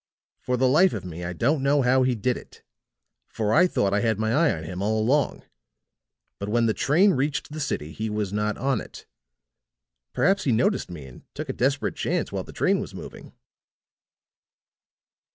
For the life of me I don't know how he did it, for I thought I had my eye on him all along; but when the train reached the city, he was not on it. Perhaps he noticed me and took a desperate chance while the train was moving."